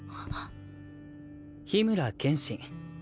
緋村剣心。